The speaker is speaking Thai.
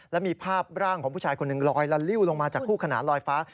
และมีภาพร่างของผู้ชายคนหนึ่งลอยละลิ้วลงมาจากคู่ขนานลอยฟ้า